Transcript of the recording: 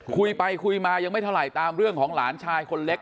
คุยไปคุยมายังไม่เท่าไหร่ตามเรื่องของหลานชายคนเล็ก